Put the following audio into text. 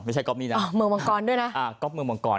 ไม่ใช่ก๊อบนี้น่ะเมืองมังกรด้วยน่ะอ่าก๊อบเมืองมังกร